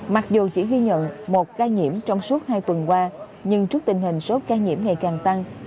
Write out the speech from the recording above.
mặc dù chỉ ghi nhận một ca nhiễm trong suốt hai tuần qua nhưng trước tình hình số ca nhiễm ngày càng tăng